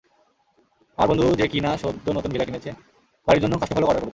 আমার বন্ধু যে কি-না সদ্য নতুন ভিলা কিনেছে, বাড়ির জন্য কাষ্ঠফলক অর্ডার করেছে।